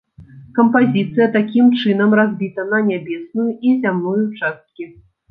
Кампазіцыя такім чынам разбіта на нябесную і зямную часткі.